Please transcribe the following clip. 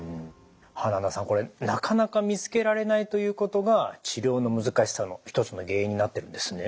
花田さんこれなかなか見つけられないということが治療の難しさの一つの原因になってるんですね？